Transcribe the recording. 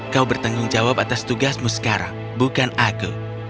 kau bertanggung jawab atas tugasmu sekarang bukan aku